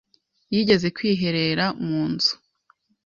yigeze kwiherera mu nzu